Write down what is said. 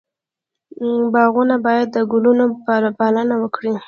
باغوان باید د ګلونو پالنه وکړي.